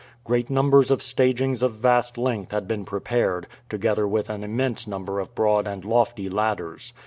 Great numbers of stagings of vast length had been prepared, together with an immense number of broad and lofty ladders.